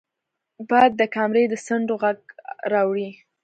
باد د کمره د څنډو غږ راوړي